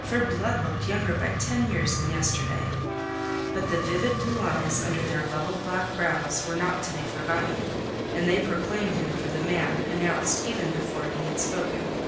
For Blood looked younger by ten years than yesterday. But the vivid blue eyes under their level black brows were not to be forgotten, and they proclaimed him for the man announced even before he had spoken.